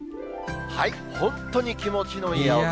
本当に気持ちのいい青空。